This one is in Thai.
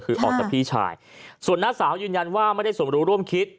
คือออกจากพี่ชายส่วนน้าสาวยืนยันว่าไม่ได้สมรู้ร่วมคิด